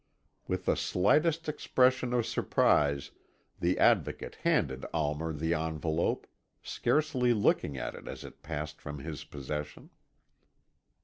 With the slightest expression of surprise the Advocate handed Almer the envelope, scarcely looking at it as it passed from his possession.